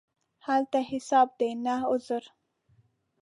هلته حساب دی، نه عذر.